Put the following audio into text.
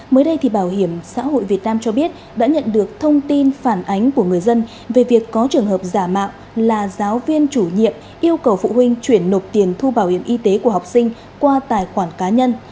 mới đây thì bảo hiểm xã hội việt nam cho biết đã nhận được thông tin phản ánh của người dân về việc có trường hợp giả mạo là giáo viên chủ nhiệm yêu cầu phụ huynh chuyển nộp tiền thu bảo hiểm y tế của học sinh qua tài khoản cá nhân